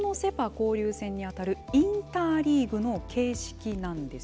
交流戦に当たるインターリーグの形式なんです。